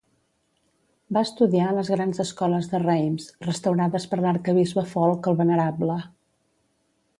Va estudiar a les grans escoles de Reims, restaurades per l'arquebisbe Folc el Venerable.